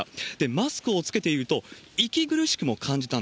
マスクを着けていると、息苦しくも感じました。